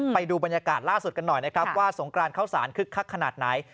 ไปดูบรรยากาศล่าสุดกันหน่อยนะครับว่าสงกรานเข้าสารคึกคักขนาดไหน